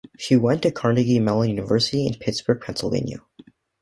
She went to Carnegie Mellon University in Pittsburgh, Pennsylvania.